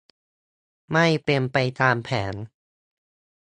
ไม่เป็นไปตามแผน